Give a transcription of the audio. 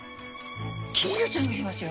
金魚ちゃんがいますよ。